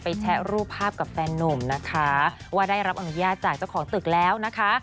แชะรูปภาพกับแฟนนุ่มนะคะว่าได้รับอนุญาตจากเจ้าของตึกแล้วนะคะ